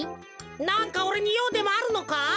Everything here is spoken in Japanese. なんかおれにようでもあるのか？